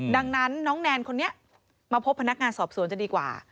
ดังนั้นน้องแนนคนนี้มาพบพนักงานสอบสวนจะดีกว่า